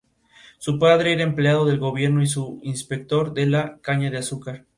Su padre era empleado del gobierno y un inspector de la caña de azúcar.